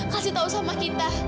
kasih tahu sama kita